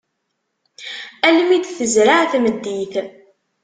Almi i d-tezreɛ tmeddit.